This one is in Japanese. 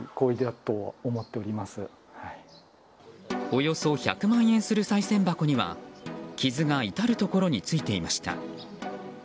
およそ１００万円するさい銭箱には傷が至るところについていました。